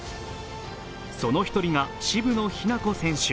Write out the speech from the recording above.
その１人が渋野日向子選手。